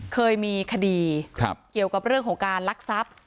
เคยมีคดีเกี่ยวกับเรื่องของการลักทรัพย์